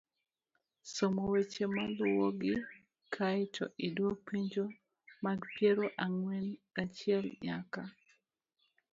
Som weche maluwogi kae to idwok penjo mag piero ang'wen gachiel nyaka